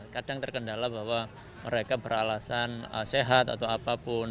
kadang terkendala bahwa mereka beralasan sehat atau apapun